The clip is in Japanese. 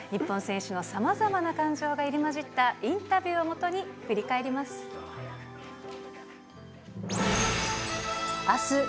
日本選手のさまざまな感情が入り交じったインタビューをもとに、振り返ります。